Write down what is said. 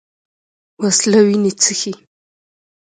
وسله وینه څښي